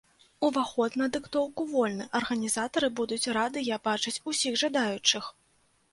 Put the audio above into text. Уваход на дыктоўку вольны, арганізатары будуць радыя бачыць усіх жадаючых.